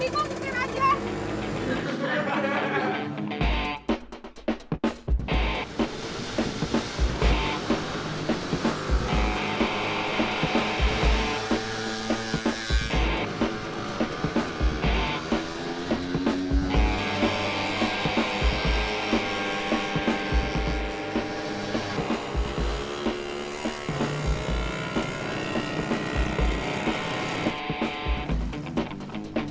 motor saya bensinnya aneh